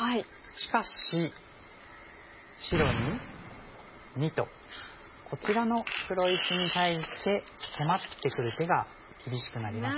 しかし白に②とこちらの黒石に対して迫ってくる手が厳しくなりますね。